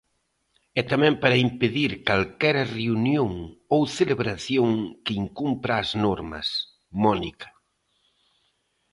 E tamén para impedir calquera reunión ou celebración que incumpra as normas, Mónica...